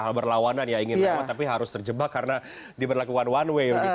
hal berlawanan ya ingin lewat tapi harus terjebak karena diberlakukan one way